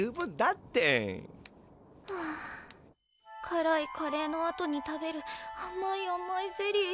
からいカレーのあとに食べるあまいあまいゼリー。